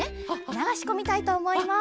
ながしこみたいとおもいます。